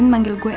aku masih b lgbtq